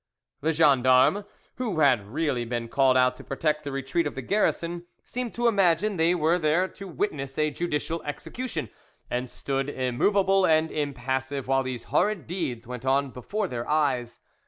The gendarmes, who had really been called out to protect the retreat of the garrison, seemed to imagine they were there to witness a judicial execution, and stood immovable and impassive while these horrid deeds went on before their eyes.